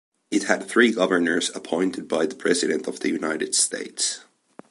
It had three governors appointed by the President of the United States.